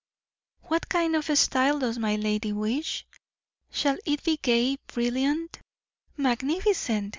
"What kind of style does my lady wish? Shall it be gay, brilliant?" "Magnificent!"